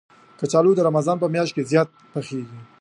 کچالو د رمضان په میاشت کې زیات پخېږي